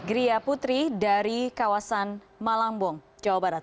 gria putri dari kawasan malangbong jawa barat